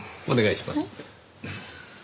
お願いします。